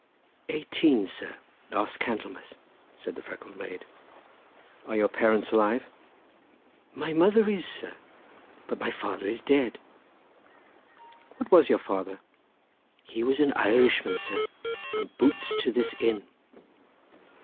"Eighteen, sir, last Candlemas," said the freckled maid. "Are your parents alive?" "My mother is, sir, but my father is dead." "What was your father?" "He was an Irishman, sir! and boots to this inn."